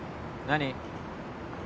「何？」